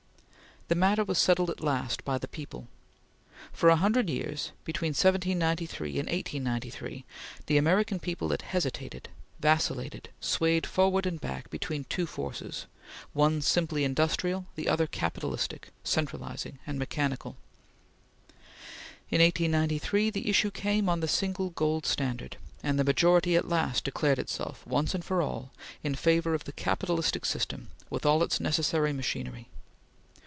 The matter was settled at last by the people. For a hundred years, between 1793 and 1893, the American people had hesitated, vacillated, swayed forward and back, between two forces, one simply industrial, the other capitalistic, centralizing, and mechanical. In 1893, the issue came on the single gold standard, and the majority at last declared itself, once for all, in favor of the capitalistic system with all its necessary machinery.